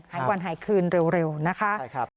หายวันหายคืนเร็วนะคะ